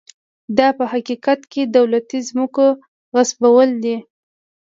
دا په حقیقت کې د دولتي ځمکو غصبول و.